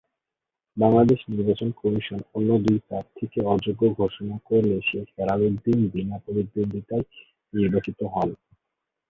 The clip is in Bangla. বাংলাদেশ নির্বাচন কমিশন অন্য দুই প্রার্থীকে অযোগ্য ঘোষণা করলে শেখ হেলাল উদ্দীন বিনা প্রতিদ্বন্দ্বিতায় নির্বাচিত হন।